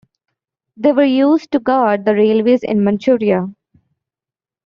They were used to guard the railways in Manchuria.